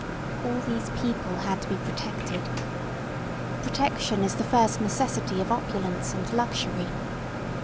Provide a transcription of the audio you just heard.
All these people had to be protected. Protection is the first necessity of opulence and luxury.